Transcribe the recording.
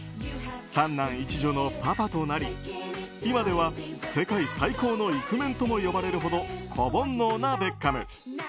３男１女のパパとなり今では、世界最高のイクメンとも呼ばれるほど子煩悩なベッカム。